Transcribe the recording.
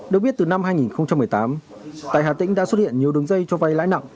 được biết từ năm hai nghìn một mươi tám tại hà tĩnh đã xuất hiện nhiều đường dây cho vay lãi nặng